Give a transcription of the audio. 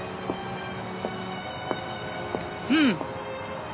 うん。